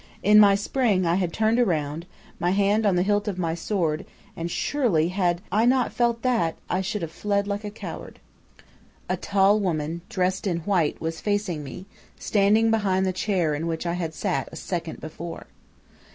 In my spring I had turned round, my hand on the hilt of my sword, and surely had I not felt that, I should have fled like a coward. "A tall woman, dressed in white, was facing me, standing behind the chair in which I had sat a second before.